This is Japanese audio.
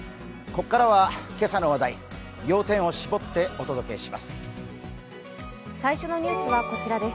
ここからは今朝の話題、要点を絞ってお届けします。